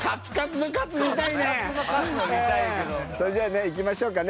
それではねいきましょうかね。